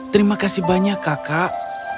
terima kasih banyak kakak